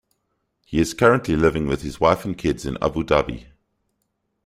He is currently living with his wife and kids in Abu Dhabi.